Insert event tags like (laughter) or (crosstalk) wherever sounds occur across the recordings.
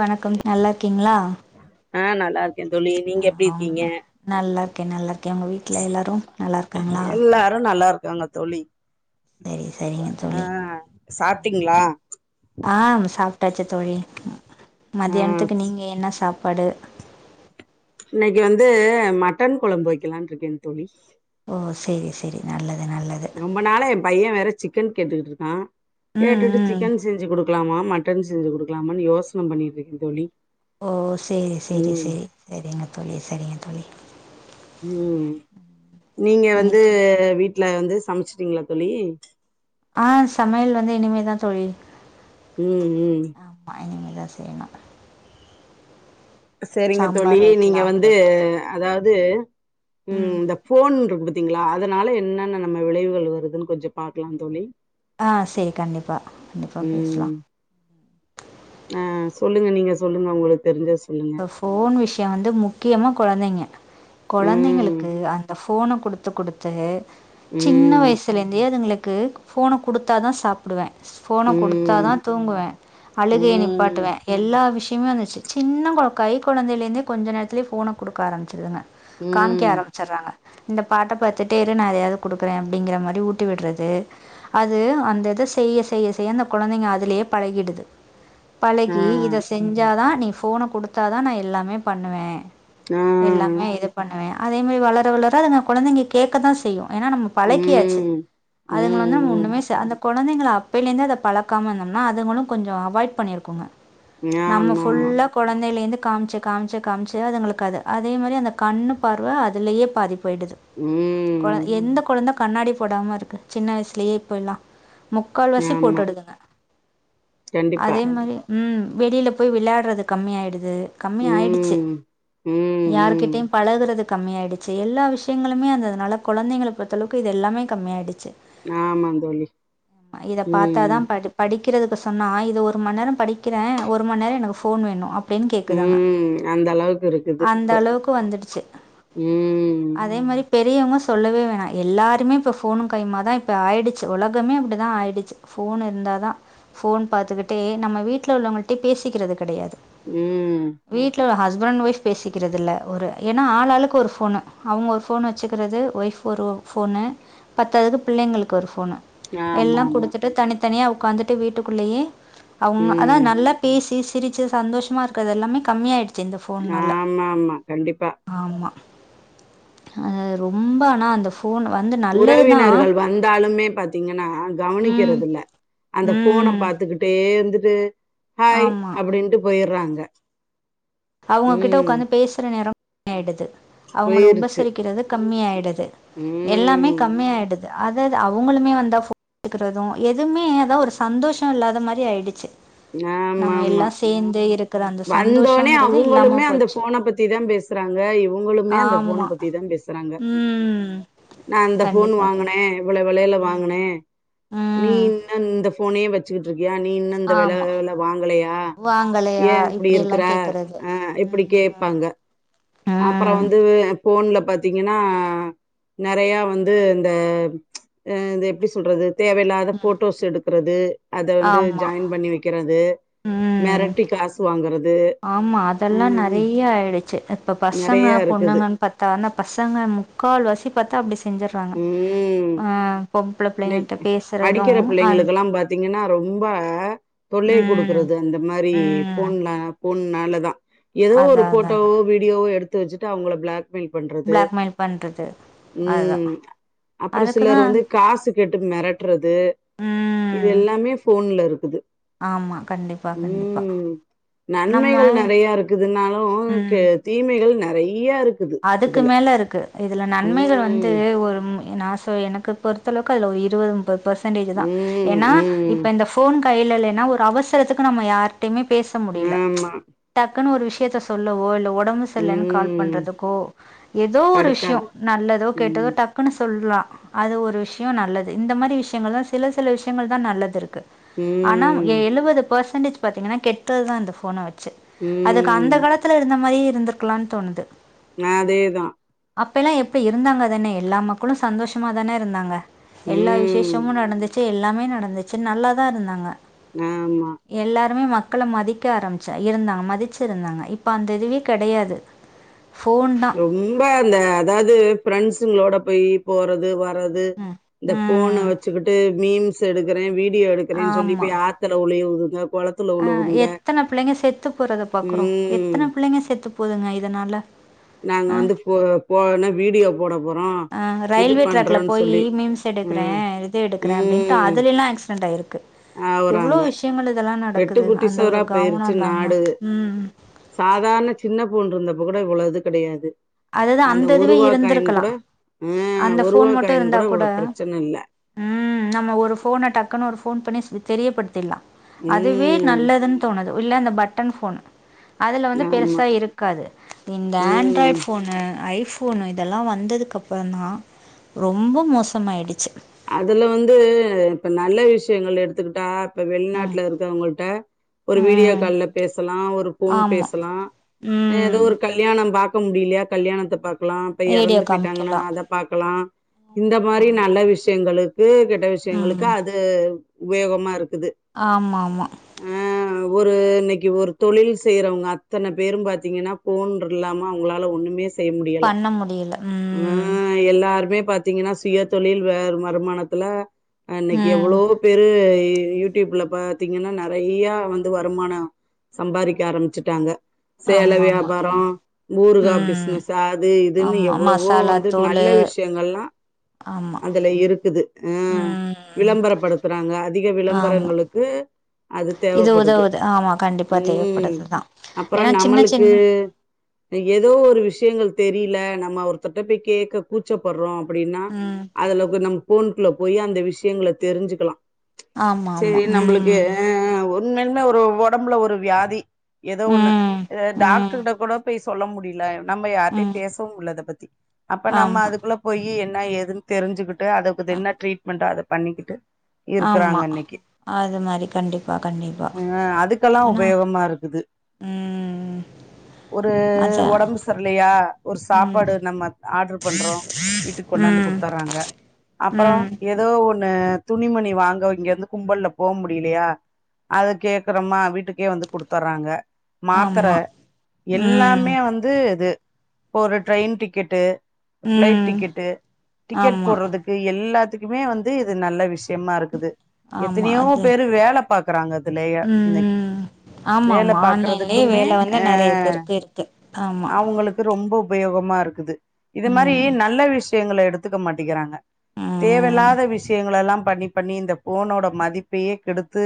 வணக்கம் நல்லார்கீங்ளா ஆ நல்லார் ஆஹ் அவ்ங்க நல்லார்க்கே நல்லார்க்கே உங்க வீட்ல எல்லாரு நல்லார்க்காங்ளா காங்க தோழி செரி செரிங்க ஆ தோழி ம் சாப்ட்டீங்களா ஆஹ் சாப்டாச்சு தோழி ம் மத்யான்துக்கு நீங்க என்ன சாப் படு இன்னைக் வந்து மட்டன் கொழம்பு வெக்கலான்ருக்கேங் தோழி ஓ செரி செரி நல்ல ரொம்ப நாளா எ பைய்ய வேற சிக். கென் கேட்டுக்குட்ருக்கா ம் கேட்டுட்டு ம் சிக்கன் செஞ்சு குடுக்கலாமா ம டன் செஞ்சு குடுக்கலாமான் யோசன பண்ணிட்ருக்கே தோழி ஓ செரி செரி ம் செரி செரிங்க தோழி செரிங்க தோழி ம் நீங்க வந்து இன்னைக்கு வீட்டு வல வந்து சமைச்சுட்டீங்களா தோழி திக் ஜே ஆ சமையல் வந்து இனிமேதா தோழி ம் ம் ஆமா இனிமேதா செய்யணு சரிங்க தோழி சாம்பார் நீங்க வைக்கலா வந்து அப்படின்ட்டு அதாவது ம் ம் இந்த ஃபோன் இருக்கு பாத்திங்களா அதனால என்னன்ன நம்ம விளைவுகள் வருதுன்னு கொஞ்ச பாக்கலாம் தோழி ஆ செரி கண்டிப்பா கண்டிப்பா பேஸ்லா அ சொல்லுங்க நீங்க சொல்லுங்க உங்களுக்கு தெரிஞ்ச இப்ப ஃபோன் விஷய வந்து முக்கியமா குழந்தைங்க ம் குழந்தைங்களுக்கு அந்த ஃபோ ஃபோன குடுத்து குடுத்து சின்ன ம் வயசுல இருந்தே அதுங்களுக்கு க்கு ஃபோன குடுத்தாதா சாப்பிடுவே ஃபோன ம் குடுத்தாதா தூங்குவே அழுகைய ம் நிப்பாட்டுவே எல்லா விஷயம் வந்துச்சு சின்னம் கை குழந்தைலேந்தே கொஞ்ச நேரத்துலயே ஃபோன குடுக்க ஆரம்பிச்சிருதுங்க காமிக்க ம் ஆரம்பிச்சறாங்க இந்த பாட்ட பாத்துட்டே இரு நா எதையாவது குடுக்குறே அப்டிங்கிற மாரி ஊட்டி விடுறது அது அந்த இத செய்ய செய்ய செய்ய அந்த கொழந்தைங்க அதுலயே பழகிடுது ஆ பழகி இத செஞ்சாதா நீ ஃபோன குடுத் த்தாதா நா எல்லாமே பண்ணுவே ஆ எல்லாமே இது பண்ணுவே அதேமாரி வளர வளர அதுங்க கொழந்தைங்க கேட்கதா செய்யு ஏனா நம்ம பழக்கியாச்சு ம் ம் அதுங்கல வந்து நம்ம ம் ஒண்ணுமே செ அந்த கொழந்தைங்கல அப்பேலருந்தே அத பழக்காம இருந்தம்னா அதுங்களு கொஞ்சோ அவாய்ட் பண்ணியிருக்குங்க நம்ம ஆமாமா ஃபுல்லா கொழந் தெர்ல என் காமிச்சு காமிச்ச காமிச்சு அதுங்களுக்கு அது அதே மாரி அந்த கண்ணு பார்வ அதுலயே பாதிப் போய்டுது கொழ ம் எந்த கொழந்த கண்ணாடி போடாம இருக்கு சின்ன வயசுலயே இப்போல்லா முக்கால்வாசி ஆமா போட்டுடுதுங்க கண்டிப்பா அதே மாரி உம் வெளில போய் விளையாடுறது கம்மியாயிடுது கம்மியா ஆயிடுச்சு ம் ம் ம் யார்கிட்டயு பழகுறதுக் கம்மியாடுச்சு எல்லா விஷயங்களுமே அந்ததுனால கொழந்தைங்கள பொறுத்தளவுக்கு இது எல்லாமே கம்மியாயிடுச்சு ஆமாம் தோழி ம் க்கறதுக்கு சொன்னா இது ஒரு மண் நேரோ படிக்கிற ஒரு மண்நேரோ எனக்கு ஃபோன் வேணு அப்படின்னு உம் அந்த அளவுக்கு இருக்குது அந்த ப்ப அளவுக்கு வந்துடுச்சு உம் அதே மாரி பெரியவங்க சொல்லவே வேணா எல்லாருமே இப்ப ஃபோனு கையுமா தா இப்ப ஆயிடுச்சு உலகமே அப்டிதா ஆயிடுச்சு ஃபோன் இருந்தா தா ஃபோன் பாத்துக்கிட்டே நம்ம வீட்ல உள்ளவங்கள்டய பேசிக்கறது கெடையாது உம் வீட்ல ஒரு ஹஸ் பண்ட் ஒய்ஃப் பேசிக்கிறது இல்ல ஒரு ஏனா ஆளாளுக்கொரு ஃபோனு அவங்க ஒரு ஃபோனு வச்சுக்கிறது ஒய்ஃப் ஒரு ஃபோனு பத்தாதுக்கு பிள்ளைங்களுக்கு ஒரு ஃபோ போனு எல்லா ஆமாமா குடுத்துட்டு தனித் தனியா உக்காந்துட்டு வீட்டுக்குள்ளையே அவ்ம்மா அதா ம் நல்லா பேசி சி சிரிச்சு சந்தோஷமா இருக்கறது எல்லாமே கம்மியாயிடு ஆமா ஆமா கண்டிப்பா அஹ் ரொம்ப ஆனா அந்த ஃபோ உறவினர்கள் வந்தாலுமே பாத்தீங்கன்னா ம் கவனிக்கறது இல்ல அந்த ஃபோன ம் பாத்துக்கிட்டே இருந் துட்டு ஹாய் அப்டின்ட்டு போயிரு றாங்க அவங்ககிட்ட உட்கார்ந்து பேசுற நேரோ மேடுது அவங்கள போயிருச்சு உபசரிக்கிறது கம்மியாயிடுது எல்லாமே ம் கம்மியாயிடுது அஹ் அதாது அவங்களுமே வந்தா ஃபோன் (inaudible) கிறது எதுமே அதா ஒரு சந்தோஷ இல்லாத மாரி ஆயிடுச்சு நம்ம ஆமாமா எல்லா சேர்ந்து இருக்குற அந்த சந்தோஷ் (inaudible) அவங்களுமே அந்த ஃபோன பத்தி தா பேசுறாங்க இவங்களுமே அந்த ஃபோன ஆமாம் பத்தி தா பேசுறாங்க ம் நா அந்த ஃபோன் கண்டிப்பாக வாங்குன கண்டிப்பாக வளையல ம் வாங்குன நீ ம் இன்ன இந்த ஃபோனே வச்சிட்டு இருக்கியா நீ ஆமாம் (unintelligible) வாங்கலையா வாங்கலையா ஏன் அப்படி இருக்குற இப்படியெல்லாம் கேட்குறது ஆஹ் இப்படி ம் கேட்பாங்க அப்பறோ ம் வந்து ஃபோன்ல பாத்தீங்கன்னா நெறையா வந்து இந்த எப்டி சொல்றது தேவயில்லாத போட்டோஸ் எடுக்குறது அத வந்து ஆமாம் ஜாயின் பண்ணி வெக்கிறது ம் மிரட்டி காசு வாங்குற ஆமா அதெல்லாம் நெறைய ஆயிடுச்சு இப்ப பசங்க நெறையா இருக்குது. பொண்ணுங்கன்னு பத்தானா பசங்க முக்கால் வாசி பாத்தா அப்டி செஞ்சறாங்க ம். ஆ பொம்பள பிள்ளைங்கள்ட்ட (unintelligible) பேசுறது படிக்கிற அந் பிள்ளைங்களுக்குல்லாம் பாத்தீங்கன்னா ரொம்ப தொல்லை ம் கொடுக்கறது அந்த மாதிரி ம் ஃபோன்லாம் ஃபோன் னால தான் ஏதோ ஒரு அதா அதா அதா போட்டோவோ வீடியோவோ எடு த்து வச்சுட்டு அவங்கள பிளேக் மேல் பண்றது பிளாக்மெயில் பண்றது அதா உம் அப்புறம் அதுக்குதா சிலர் வந்து காசு கேட்டு மிரட்டுறது இது ம் எல்லாமே ஃபோன்ல இருக்குது ஆமா கண்டிப்பா கண்டிப்பா உம் நம்ம நன்மைகள் நிறைய இருக்குதுனாலும் ம் தீமைகள் நெ றைய இரு அதுக்கு மேல இருக்கு இதுல நன்மைகள் வந்து ம் ஒரு நான் ஸா எனக்கு பொறுத்தளவுக்கு அதுல இருபது முப் பது பர்சன்டேஜ் தான் ம் ஏன்னா ம் இப்ப இந்த ஃபோனு கைல இல்லன்னா ஒரு அவசரத்துக்கு நம்ம யார்டையுமே பேச முடியல ஆமா டக்குன்னு ஒரு விஷய த்த சொல்லவோ இல்ல உட உடம்பு செல்லன் கால் ம் பண்றது கோ எதோ ஒரு விஷ்யோ படுக்காது நல்லதோ கேட்தோ ம் டக்குனு சொல்லா அது ஒரு விஷ்யோ நல்லது இந்த மாரி விஷ்யங்கள் தா சில சில விஷ்யங்கள் தா நல்லது இருக்கு ஆனா எ ம் எ ழுவது போசன்டேஜ் பாத்திங்கன்னா கெட்டது தான் இந்த ஃபோன வச்சு அதுக்கு அந்த ம் காலத்துல இருந்த மாரி இருந்துருக்லான் தோணுது மாதேதா அப்பயெல்லா எப்டி இருந்தாங்க தானே எல்லா மக்களும் சந்தோஷ்மா தான இருந்தாங்க எல்லா ம் விஷேஷமு நடந்துச் எல்லாமே நடந்துச்சு நல்லா தா இருந்தாங்க ஆமா க்கள மதிக்க ஆரம்ச்சா இருந்தாங்க மதிச்சிருந்தாங்க இப்ப அந்த இதுவ கடையாது ரொம்ப இந்த அதாது ஃப்ரெண்ட்ஸ் சுளோட போயி போறது வர் ம் இந்த ஃபோன ம் வச்சுக்குட்டு மீம் செடுக்குறே வீட் வீ எடுக்குறே சொல்லி பேய் ஆத்துல உலேவு உதப் அ எத்தன பிள்ளைங்க செத்து போறத பாக்குறோ ம் எத்தன பிள்ளைங்க செத்து போதுங்க இதனால நாங்க வந்து போ ஃபோன வீடியோ போட போறோ அ இது ரயில்வே ட்ராக்ல பண்றோன்னு போயி சொல்லி மீம்ஸ் எடுக்குறே ம் இது எடுக்குற அப்டின்ட்டு ம் அதுலெல்லா ஆக்சிடென்ட் ஆய்ருக் ஆவுறாங்க கெட்டு நடக்குது அந்த ஒரு குட்டிசுவுரா கவனோ பேய்ருச்சு இல்லாம நாடு ம் சாதார்ண சின்ன ஃபோன்ருந்தப் கூட இவுளோ இது கடயாது அதுதா அந்த இதுவே இருந்துருக்குலா ஆ அந்த ஃபோன் ஒருவா மட்டு காயின் இருந்தா கூட இவ்ளோ பிரச்சன இல்ல ம் நம்ம ஒரு ஃபோன டக்குனு ஒரு ஃப் ஃபோன் பண்ணிஸ் வித் தெரியப்பட்த்தில்லா அதுவே ம் நல்லதுன் தோணுது உள்ள அந்த பட்டன் ஃபோன் அதுல வந்து ஆமா பெருசா இருக்காது இந்த ஆண்ட்ராய்ட் ம் ஃப் அ ஐஃபோனு இதல்லா வந்ததுக்கப்புறந்தா ரொம்ப மோசமாய்டுச்சு அதுல வந்து இப்ப நல்ல விஷ்யங்கள் எடுத்துகிட்டா இப்ப ம் வெள்நாட்ல இருக்கறவ்ங்குள்ட்ட ஒரு வீடியோ ம் கால்ல பேசுலா ஒரு ஃபோன் ஆமா பேசுலா ஏதோ ம் ஒரு கல்யாணம் பார்க் கு முடில்யா கல்யாணத்த பாக் க்லா இப்ப வீடியோ எறந்து பேயிட்டாங்கனா காமிக்கலா அத பாக்கலா ஆமா இந்த ஆமா மாரி ஆமா நல்ல விஷ் பெண்களு கு கெட்ட விஷ்யங்களுக்கு அது உபயோகமா இருக் ஆமாம்மா அஹ் ஒரு இன்னிக்கு ஒரு தொழில் செய்றவங்க அத்தன பேரும் பாத்தீங்கனா போன் ட்ருல்லாம அவுங்களால ஒண்ணுமேஸ் செய் முடியல பண்ண முடியல ஆ ம் எல்லாருமே பா தீங்கனா சுய தொழில் வே வருமானத்துல அ இன்னக்கி ம் எவுளோ பேரூ இ யூடியூப்ல பாத்தீங்கனா நறைய்யா வந்து வருமானொ சம்பாரிக்க ஆரமிச்சுட்டாங்க சேல ஆமா ஆமா வியாபாரோ கண்டிப் ஊறுகா ம் பிஸ்னஸ்ஸு அது இதுன்னு ஆமா எவ்ளவோ மசாலா வந்து தூளு நல்ல விஷ்யங்கள்லா ஆமா அதுல இரு குது அ ம் விளம்பரப்படுத்தறாங்க அதிக ஆமா விளம்பரங்களுக்கு அது இது தேவப்படுது உதவுது ஆமா கண்டிப்பா ம் தேவப்படுதுதா அப்புறோ ஏனா சின்ன நம்மளுக்கு சின்ன ஏதோ ஒரு விஷ்யங்கள் தெரில நம்ம ஒர்தர்ட்ட போய் கேக்க கூச்சப்பட்றோ ப்டின்னா ம் அதுல கு நம் போன்குல்ல போயி அந்த விஷ்யங்கள தெரிஞ்சுக்கலா ஆமா ஆமா செரி நம்புளுக்கு ம் அ அ ஒன்னன் ஒரு ஒடம்புல ஒரு வியாதி எதோ ஒண்ணு ம் அ ம் டாக்டர்க்ட்ட கூட போயி சொல்ல முடில நம்ப யார்ட்டியு ம் பேசவும் முல்ல அத பத்தி அப்ப நம்ம ஆமா அதுக்குள்ள போயி என் ன்ன ஏதுன் தெரிஞ்சுக்கிட்டு அத அது என்ன ட்ரீட்மெண்ட்டோ அத பண்ணிக்கிட்டு ஆமா இருக்கறாங்க இன்னக்கி அது மாரி கண்டிப்பா கண்டிப்பா அஹ் அதுக்கெல்லா ஆனா உபயோகமா இருக்குது ம் ஒரு அதா ஒடம்பு சர்லையா ஒரு ம் சாப்பாடு நம்மத் ஆட்ரு பண்றோ வீட்டுக் கொண்டாந்து ம் குடுத்தர்றாங்க அப்பறோ ம் எதோ ஒ ன்ன துணிமணி வாங்க இங்கந்து கும்பல்ல போவ் முடிலியா அத கேக்கறமா வீட்டு கே வந்து குடுத்தர்றாங்க மாத்தர ஆமா ம் எல்லாமே வந்து இது இப்ப ஒரு ட்ரெயின் டிக்கெட்டு ஃபிளைட் ம் டிக்கெட்டு டிக்கெட் ஆமா போட்றதுக் எல்லாத்துக்குமே வந்து இது நல்ல விஷ் யம்மா இருக்குது ஆமா எத்தனையோ அது பேரு வேல பாக் க்குறாங்க இதுலேயே ம் இன்னைக்கு ம் ஆமா வேல ஆமா ஆன்லைன்லயே பார்குறதுக்குமே வேல வந்து ஆ நெறைய பேருக்கு இருக்கு ஆமா அவங்களுக்கு ரொம்பொ உபயோகமா இருக்குது இது மாரி ம் நல்ல விஷ் எங்கள எடுத்துக்க மாட்டிக்கிறாங்க தேவ ம் இல்லாத விஷயங்களலாம் பண்ணி பண்ணி இந்த போனோட மதிப்பையே கெடுத்து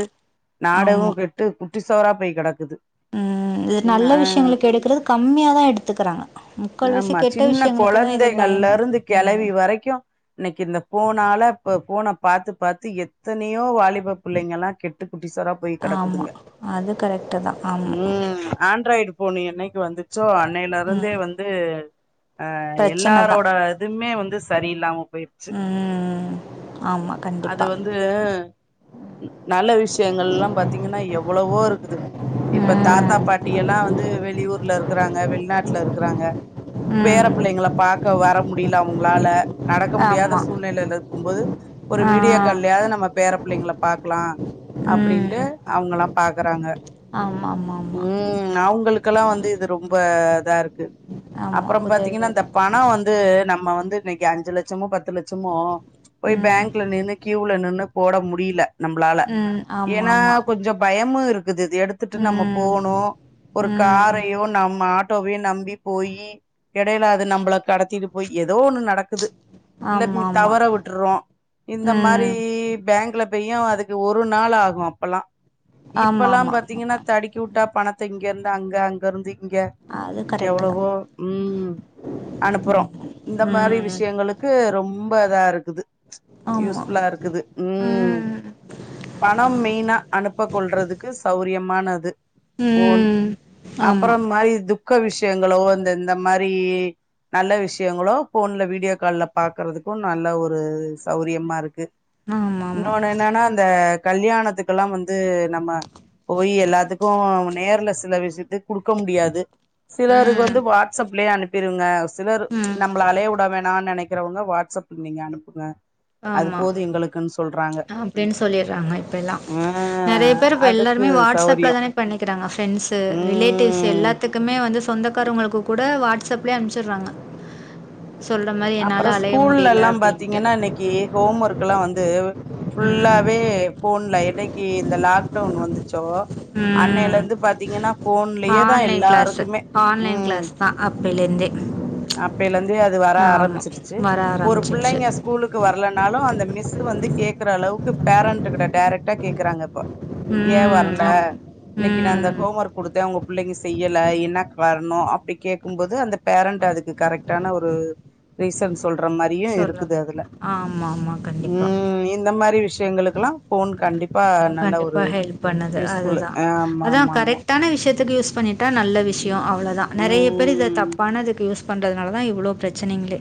நாடகொ கெட்டு கு ட்டு சோரா பை கெடக்குது உம் இது என்ன நல்ல விஷயங்களுக்கு எடுக்கறது கம்மியாதா எடுத்துக்குறாங்க முக்கால் வசி ஆமா கெட்ட சின்ன விஷயங்களுக்குதா இது கொழந்தைங்கள்ல பயம இருந்து உம் கெளவி வரைக்கு இன்னைக்கு இந்த போனால ப் போன பாத்து பாத்து எத்தனையோ வாலிப பிள்ளைங்கல்லா கெட்டு குட்டிசரா போய் ஆமா கடக்குதுங்க அது கரெக்ட்டு தா ஆமா உம் ஆண்ட்ராய்டு ஃபோணு என்னைக்கு வந்துச் சோ அன்னையில ம் இருந்தே வந்து அஹ் பிரச்சன தா எல்லாரோட இதுமே வந் சரியில்லாமப் போய் சு ம் ஆமா அது கண்டிப்பா வந்து நல்ல விஷயங்கள் எல்லா பாத்தீங்கன்னா எவ்வளவோ இருக்குது இப்ப தாத்தா ம் பாட்டி எல்லா வந்து வெளியூர்ல இருக்கிறாங்க வெளிநாட் ல இருக்கிறாங்க பேற ம் பிள்ளைங்கள பாக்க வர முட் டில அவுங்களால ந க்க முடியாத ஆமா சூழ்நிலைல இருக்கும் போது ஒரு ஆ வீடியோ கால்ல ஆது நம்ம பேர பிள்ளைங்க பாக்கலா அப்டின்ட்டு ம் அவங்கல்லா பாக்குறாங்க ஆமா ஆமா ஆமா உம் அவங்களுக்குல்லா வந்து இது ரொம்ப இதா இருக் கு ஆமா அப்புறம் பாத்தீங்கன்னா உதவியா இந்த தா பணோ இருக்காங்க வந்து நம்ம வந்து இன்னைக்கு அஞ்சு லட் சமோ பத்து லட்சமோ போய் ம் பேங்கல நின்னு கியூலநின் னு போட முடியில நம்மளால ம் ஆமா ஏன்னா ஆமா கொஞ்சொ பயமு இரு க்குது இது எடுத்துட்டு நம்ம ம் போகனு ஒரு ம் காரையோ நம்ம ஆ ட்டோ வையோ நம்பி போயி எடையில அது நம்மள கடத்திட்டு போய் ஏதோ ஒண்ணு நடக்குது இல்ல ஆமா ம் ஆமா தவற விட்டுறோ இந்த மாரி ம் பேங்க்ல அப்பயு அதுக்கு ஒரு நாள் ஆகு அப்பல்லா ஆமா இப்பெல்லா பாத்தீங்கன்னா ஆமா தடுக்கி விட்டா பணத்தை இங்கருந்து அங்க அங்கருந்து இங்க அது கரெக்ட்டு தா எவ்ளோவோ உம் ஆமா அனுப்புறோம் இந்த மாரி ம் விஷயங்களுக் ரொம்ப இதா இருக்குது ஆமா யூஸ்புல்லா இருக்குது உம் ம் பணம் மெயினா அனுப்பக் கொள்றதுக்கு சௌரியமா ஆனது போன் ம் ஆமா அப்பறம் மாரி துப் பக்க விஷயங்களோ இந்த இந்த மாரி நல்ல விஷயங்களோ போன்ல வீடியோ கால்ல பாக்கறதுக்கும் நல்ல ஒரு சௌரியமா இருக்கு ஆமா ஆமா இன்னொன்னு என்னன்னா அந்த கல்யாணத்துக்கெல்லாம் வந்து நம்ம போய் எல்லாத்துக்கு நேர்ல சில விசிட்டு குடுக்க முடியாது சிலருக்கு ம் வந்து வாட்ஸ்அப்லயே அனுப் பெருவுங்க (unintelligible) சிலர் ம் நம்மள அழையவுட வேணான்னு நெனைக் இருக்குறவுங்க வாட்ஸ்அப்ல நீங்க அனுப்புங்க அது ஆமா போது எங்களுக்குன்னு சொல்றாங்க அப்டின்னு சொல்லிறாங்க இப்ப எல்லா ஆ நெறய பேரு இப்ப அதுக்கு எல்லாருமே வாட்ஸ்அப்ல சௌரியோ தானே பண்ணிக்கிறாங்க ஃபிரண்ட்ஸ் ரிலேட்டிவ்ஸ் ம் எல்லாத்துக்குமே வந்து சொந்தக் காரங்வுகளுக்கு கூட வாட் ஸ்அப்லயே அனுப்ச்சுறாங்க சொல்ற மாரி என்னால அலைய முடியல அப்டின்ட்டு கி ஹோம் ஒர்க் எல்லா வந்து ம். ஃபுல்லாவே எப் போன்ல என்னைக்கி இந்த லாக்டவுன் வந்து சோ அண்ணையில ம். இருந்து பாத்தீங்கன்னா போன்லயே தா ஆன்லைன் கிளாஸு. எல்லாருக்குமே ஆன்லைன் ம் கிளாஸ் தான் அப்பைலேருந்தே. அப்பேல இருந்து அது வர ஆ ஆமா. அம்பிச்சிருச்சு வர ஒரு ஆரம்பிச்சிடுச்சு. பிள்ளைங்க ஸ்கூலுக்கு வரலனாலு அந்த மிஸ் வந்து கே க்குற அளவுக்கு பேரண்ட்டு கிட்ட டரக்டா கேக்குறாங்க இப்ப ஏ ம். வரல ஆமா. இன்னைக்கு நா இந்த ம். ஹோம் ஒர்க் குடுத்தே ஒ பிள்ளைங்க செய்யல என்ன வரணு அப்டி கேக்கும்போது அந்த பேரண்ட் டு அதுக்கு கரெக்ட்டான ஒரு ரீசன்ஸ் சொல்ற மாரியு இருக்குது சொல்லுங்க. அதுல ஆமாமா. கண்டிப்பா. ம் இந்த மாரி விஷயங்களுக்குல்லா போன் கண்டிப் கண்டிப்பா ஹெல்ப் பண்ணுது அதுதா ஆமா அதா ஆமா ஆமா கரெக்டான விஷயத்துக்கு யூஸ் பண்ணிட்டா நல்ல விஷ் யோ அவ்ளோதா நெறையா பேர் இது ம் தப்பானதுக்கு யூஸ் பண்ணுறனாலதா இவ்ளோ ப்ரச்சனைங்களே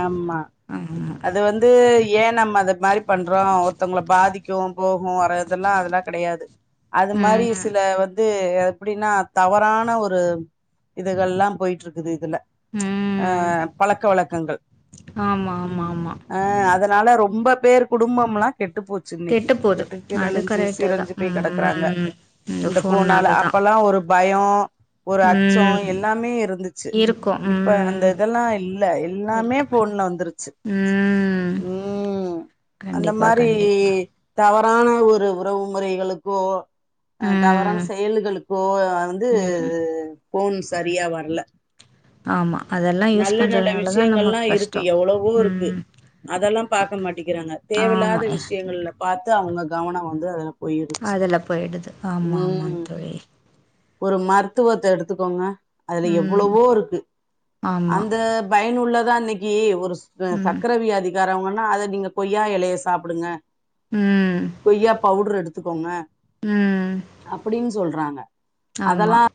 ஆமா அது வந்து ஏ நம்ம அது மாரி பண்றோ ஒருத்தவுங்கள பாதிக்கு போகும் வர இததெல்லா அதெல்லா கெடையாது அது மாரி ம். சில வந் இது எப்டின்னா தவறான ஒரு இதுகள்ல்லா போய்ட்றுக்குது இதுல அ ம். பழக்க வழக் கங்கள் ஆமா, ஆமா, ம் ஆமா. அ அதனால ரொம்ப வேர் குடும்பம்லா கெட்டுப்போச்சு இன்னைக்கு போது. கெட்டு அது கீரழிஞ்சு கரெக்ட்டு சீரஞ்சு தான். போய் கெடக்குறாங்க ம். இந்த போனால ஃபோன்னால தான். அப்பல்லா ஒரு பயோ ஒரு அச்சோ ம். எல்லாமே இருந்துச்சு இருக்கும். இப்ப அந்த ம். இதெல்லா இல்ல எல்லாமே இல்ல. போன்ல வந்துருச்சு ம். ம் அந்த கண்டிப்பா, மாரீ கண்டிப்பா. தவ ப்பான ஒரு உறவு முறைகளுக்கோ அ தவறான ம். செயல்களுக்கோ வந்து ம். போன் சரியா வர்ல ஆமா அதெல்லா யூஸ் பண்றதுனால தான் விஷயங்கள்லா நமக்கு இருக்கு கஷ்டம் எவ்ளவோ இருக்கு ம் அதெல்லா பாக்க மாட்டேிக்கிறாங்க ஆமா தேவயில்லாத விஷயங்கள பாத்து அவுங்க கவனோ வந்து போயிருச்சு அதெல்லா போயிடுது ஆமா ஆமாங் ம் தோழி ஒரு மருத்துவத்த எடுத்துக்கோங்க அதுல ம் எவ்ளோவோ இருக்கு ஆமா அந்த ன்னு உள்ளதா இன்னைக்கி ஒரு ப ம் சக்கர வியாதிக் காரவுங்கன் அத நீங்க கொய்யா எலைய சாப்புடுங்க ம் கொய்யா பவுடர் எடுத்துக்கோங்க ம் அப்டின்னு சொல்றாங்க ஆமா அதெல்லா